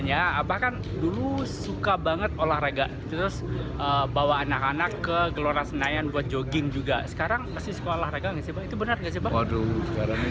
saat ini saya sedang bersama dengan calon wakil presiden ini nomor satu k j ma'ruf amin